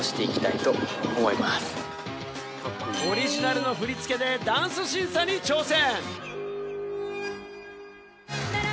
オリジナルの振り付けでダンス審査に挑戦。